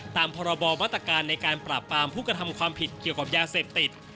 ตามพรบมาตรการในการปราบปรามผู้กระทำความผิดเกี่ยวกับยาเสพติด